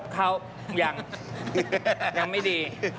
เขายังยังไม่ดี